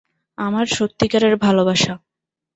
আমার সত্যিকারের ভালোবাসা।